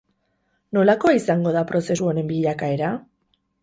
Nolakoa izango da prozesu honen bilakaera?